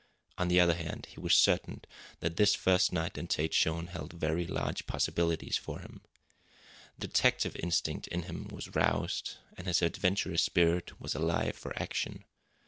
On the other hand, he was certain that this first night in Tête Jaune held very large possibilities for him. The detective instinct in him was roused, and his adventurous spirit was alive for action.